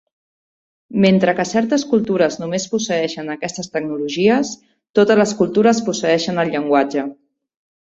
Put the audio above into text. Mentre que certes cultures només posseeixen aquestes tecnologies, totes les cultures posseeixen el llenguatge.